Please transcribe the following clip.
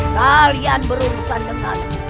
kalian berurusan dengan